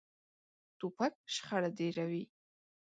توپک شخړه ډېروي.